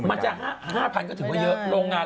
มันจะ๕๐๐๐ก็ถือว่าเยอะ